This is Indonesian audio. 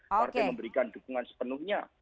partai memberikan dukungan sepenuhnya